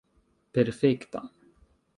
perfekta